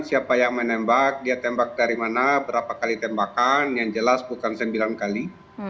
siapa yang menembak dia tembak dari mana berapa kali tembakan yang jelas bukan sembilan kali